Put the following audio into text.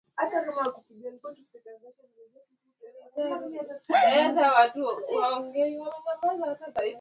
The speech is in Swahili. Uso wa kawaida electropolished kwa ufanisi